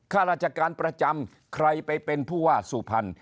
ข้าราชการประจำใครไปเป็นผู้ว่าสุพรรณ